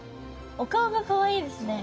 お顔かわいいです。